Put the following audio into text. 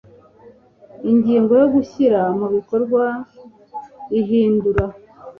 ingingo ya gushyira mu bikorwa ihindura